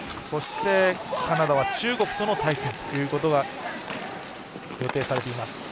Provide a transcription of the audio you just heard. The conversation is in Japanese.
そして、カナダは中国との対戦ということが予定されています。